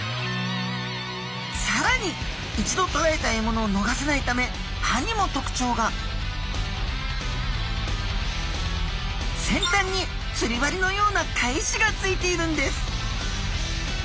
さらに一度とらえた獲物をのがさないため歯にもとくちょうが先端に釣り針のような返しがついているんです